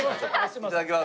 いただきます。